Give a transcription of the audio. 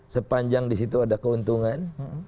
sepanjang disitu ada keuntungan